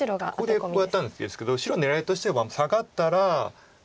ここでこうやったんですけど白狙いとしてはサガったら出て。